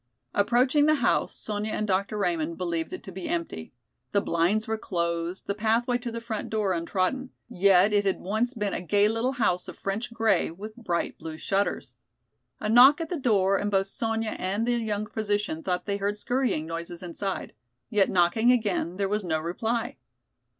Approaching the house, Sonya and Dr. Raymond believed it to be empty. The blinds were closed, the pathway to the front door untrodden. Yet it had once been a gay little house of French grey with bright blue shutters. A knock at the door and both Sonya and the young physician thought they heard scurrying noises inside. Yet knocking again there was no reply.